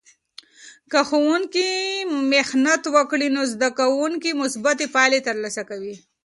که ښوونکی محنت وکړي، نو زده کوونکې مثبتې پایلې ترلاسه کوي.